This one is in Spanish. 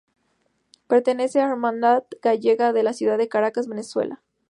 Pertenece a la Hermandad Gallega de la ciudad de Caracas, Venezuela.